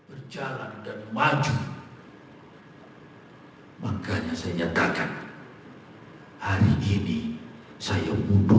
edy menyebut pengunduran dirinya sebagai bentuk tanggung jawab menyusul tekanan dari masyarakat akibat prestasi timnas dan sejumlah masalah yang menimpa pssi